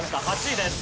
８位です。